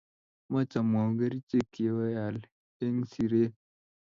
Moch amwaun keriche iweal eng siree.